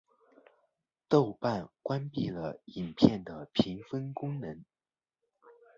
豆瓣关闭了影片的评分功能。